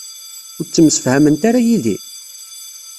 Ur ttemsefhament ara yid-i?